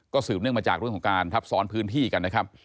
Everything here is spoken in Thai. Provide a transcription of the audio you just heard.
สืบเนื่องมาจากเรื่องของการทับซ้อนพื้นที่กันนะครับ